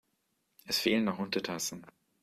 Es fehlen noch Untertassen.